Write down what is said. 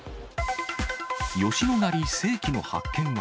吉野ヶ里世紀の発見は？